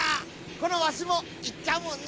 このわしもいっちゃうもんね！